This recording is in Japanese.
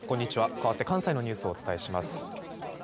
かわって関西のニュースをお伝えします。